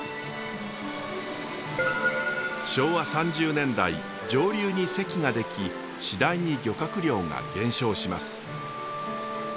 昭和３０年代上流にせきが出来次第に漁獲量が減少します。